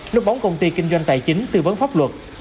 núp bóng công ty kinh doanh tài chính tư vấn pháp luật